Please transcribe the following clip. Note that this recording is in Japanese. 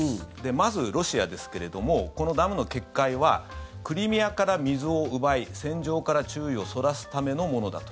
まず、ロシアですけれどもこのダムの決壊はクリミアから水を奪い戦場から注意をそらすためのものだと。